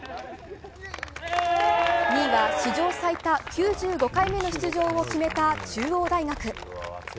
２位は史上最多９５回目の出場を決めた中央大学。